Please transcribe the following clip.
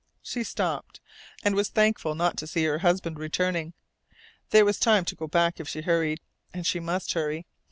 She stopped, and was thankful not to see her husband returning. There was time to go back if she hurried. And she must hurry!